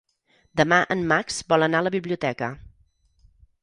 Demà en Max vol anar a la biblioteca.